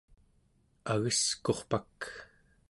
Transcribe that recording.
Ageskurpak